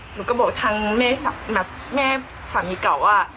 หนูก็บอกทางแม่สามีเก่าว่า